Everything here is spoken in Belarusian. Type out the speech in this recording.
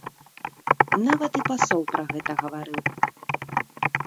Нават і пасол пра гэта гаварыў.